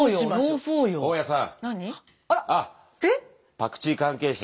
パクチー関係者